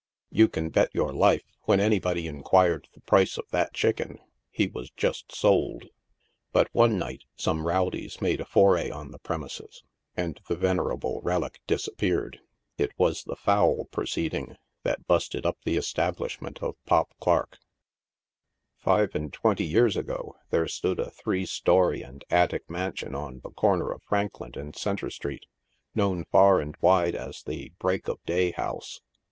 You can bet your life, when anybody inquired the price of that chicken, he was just sold ; but one night some rowdies made a foray on the premises, and the venerable relic disappeared. It was the fowl proceeding that busted up the establishment of Pop Clarke. Five and twenty years ago, there stood a three story and attic mansion on the corner of Franklin and Centre streets, known far and wide as the Break of Day House.